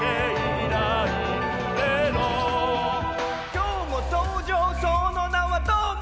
「今日も登場その名はどーも」